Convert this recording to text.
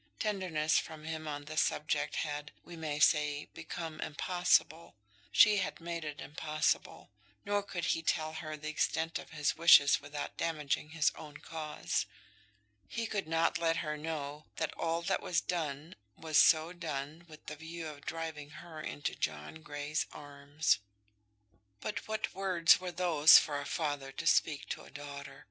Tenderness from him on this subject had, we may say, become impossible. She had made it impossible. Nor could he tell her the extent of his wishes without damaging his own cause. He could not let her know that all that was done was so done with the view of driving her into John Grey's arms. But what words were those for a father to speak to a daughter!